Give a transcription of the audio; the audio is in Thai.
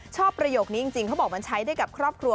ประโยคนี้จริงเขาบอกมันใช้ได้กับครอบครัว